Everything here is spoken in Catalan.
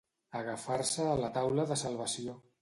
Agafar-se a la taula de salvació.